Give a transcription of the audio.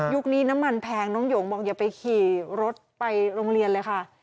นี้น้ำมันแพงน้องหยงบอกอย่าไปขี่รถไปโรงเรียนเลยค่ะ